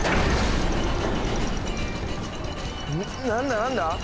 何だ？